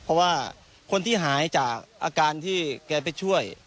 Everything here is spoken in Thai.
เพราะว่าคนที่หายจากอาการที่แกไปช่วย